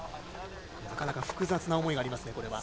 なかなか複雑な思いがあります。